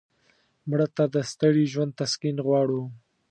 مړه ته د ستړي ژوند تسکین غواړو